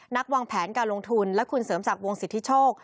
วางแผนการลงทุนและคุณเสริมศักดิ์วงสิทธิโชค